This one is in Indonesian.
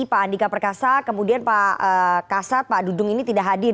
pak andika perkasa kemudian pak kasat pak dudung ini tidak hadir